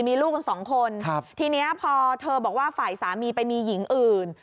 มีลูกกันสองคนครับทีนี้พอเธอบอกว่าฝ่ายสามีไปมีหญิงอื่น